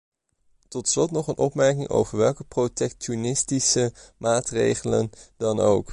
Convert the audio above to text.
Tot slot nog een opmerking over welke protectionistische maatregelen dan ook.